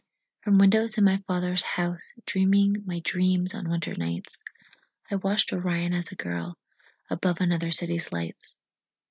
From windows in my father's house, Dreaming my dreams on winter nights, I watched Orion as a girl Above another city's lights.